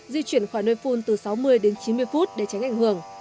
di chuyển khỏi nơi phun từ sáu mươi đến chín mươi phút để tránh ảnh hưởng